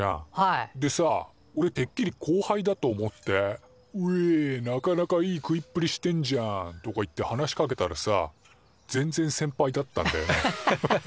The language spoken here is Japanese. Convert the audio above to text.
でさおれてっきりこうはいだと思って「ウイなかなかいい食いっぷりしてんじゃん」とか言って話しかけたらさぜんぜんせんぱいだったんだよね。